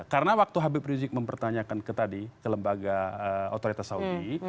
karena waktu habib rizik mempertanyakan ke tadi ke lembaga otoritas saudi